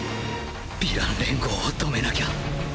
ヴィラン連合を止めなきゃ